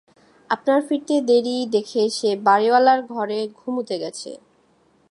আপনার ফিরতে দেরি দেখে সে বাড়িওয়ালার ঘরে ঘুমুতে গেছে।